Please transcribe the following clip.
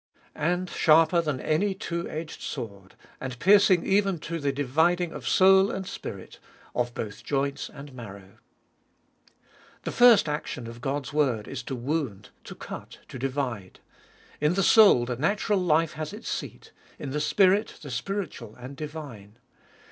And sharper than any two edged sword, and piercing even to the dividing of soul and spirit, of both joints and marrow. The first action of God's word is to wound, to cut, to divide. In the soul the natural life has its seat ; in the spirit the spiritual and divine.